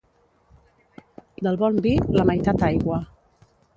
Del bon vi, la meitat aigua.